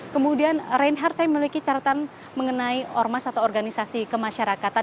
kemudian reinhard saya memiliki catatan mengenai ormas atau organisasi kemasyarakatan